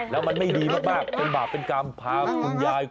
แล้วมันไม่ดีมากเป็นบาปเป็นกรรมพาคุณยาย